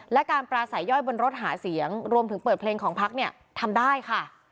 และการปราศัยย่อยบนรถหาเสียงรวมถึงเปิดเพลงของพักเนี่ยทำได้ค่ะ